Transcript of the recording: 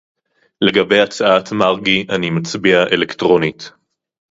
לגבי הצעת מרגי אני מצביע אלקטרונית